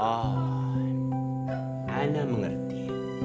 oh ana mengerti